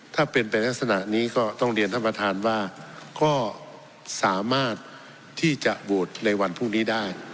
ถ้าเป็นไปลักษณะนี้ก็ต้องเรียนท่านประธานว่าก็สามารถที่จะโหวตในวันพรุ่งนี้ได้